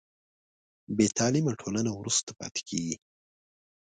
بې تعلیمه ټولنه وروسته پاتې کېږي.